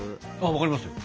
分かりますよ。